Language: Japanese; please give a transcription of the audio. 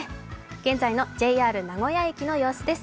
現在のＪＲ名古屋駅の様子です。